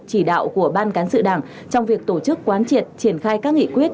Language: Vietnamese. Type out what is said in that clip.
chỉ đạo của ban cán sự đảng trong việc tổ chức quán triệt triển khai các nghị quyết